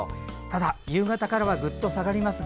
ただ夕方からはぐっと下がります。